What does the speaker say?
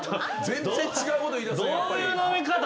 全然違うこと言いだす。